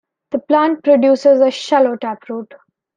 The plant produces a shallow taproot.